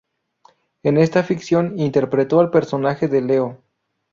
En esta ficción interpretó al personaje de Leo.